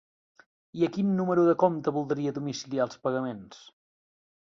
I a quin número de compte voldria domiciliar els pagaments?